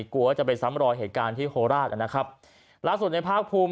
กลัวว่าจะไปซ้ำรอยเหตุการณ์ที่โคราชนะครับล่าสุดในภาคภูมิ